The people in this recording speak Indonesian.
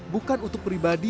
bukan untuk pribadi